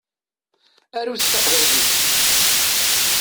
Arut taqbaylit!